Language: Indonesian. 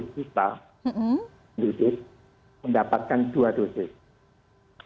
kita mendapatkan dua dosis